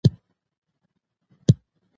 ازادي راډیو د عدالت د تحول لړۍ تعقیب کړې.